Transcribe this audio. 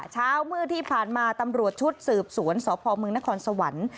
เช้ามืดที่ผ่านมาตำรวจชุดสืบสวนสพมนครสวรรค์